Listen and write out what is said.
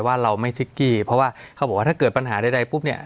ว่าเราไม่ทิกกี้เพราะว่าเขาบอกว่าถ้าเกิดปัญหาใดปุ๊บเนี่ย